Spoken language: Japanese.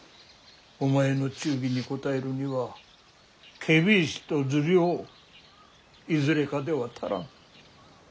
お前の忠義に応えるには検非違使と受領いずれかでは足らん。